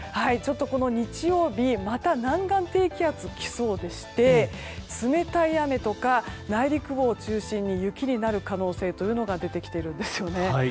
この日曜日、また南岸低気圧が来そうでして冷たい雨とか、内陸を中心に雪になる可能性が出てきているんです。